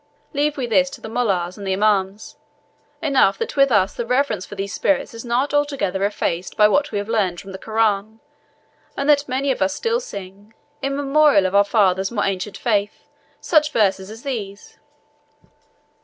Leave we this to the mollahs and the imauns. Enough that with us the reverence for these spirits is not altogether effaced by what we have learned from the Koran, and that many of us still sing, in memorial of our fathers' more ancient faith, such verses as these."